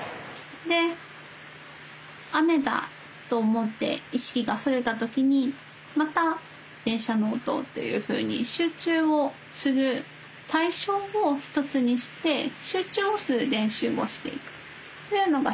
で「雨だ」と思って意識がそれた時にまた電車の音というふうに集中をする対象を１つにして集中をする練習をしていくというのが集中瞑想です。